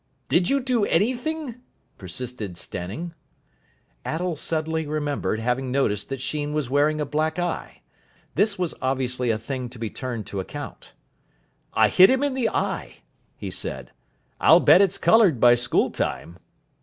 "Did you do anything?" persisted Stanning. Attell suddenly remembered having noticed that Sheen was wearing a black eye. This was obviously a thing to be turned to account. "I hit him in the eye," he said. "I'll bet it's coloured by school time."